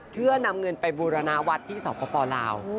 เพื่อนำเงินไปบูรณาวัดที่สปลาว